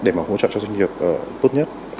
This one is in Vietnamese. để mà hỗ trợ cho doanh nghiệp tốt nhất